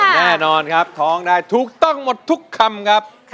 แน่นอนครับท้องได้ถูกต้องหมดทุกคำครับ